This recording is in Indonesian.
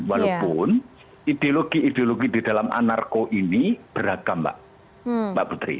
walaupun ideologi ideologi di dalam anarko ini beragam mbak putri